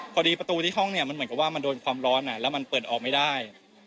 พอดีประตูที่ห้องเนี่ยมันเหมือนกับว่ามันโดนความร้อนแล้วมันเปิดออกไม่ได้